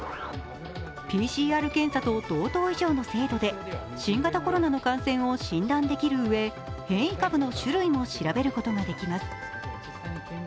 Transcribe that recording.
ＰＣＲ検査と同等以上の精度で新型コロナウイルスの感染を診断できるうえ、変異株の種類も調べることができます。